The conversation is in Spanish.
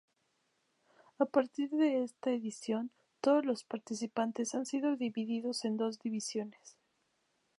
A partir de esta edición, todos los participantes han sido divididos en dos divisiones.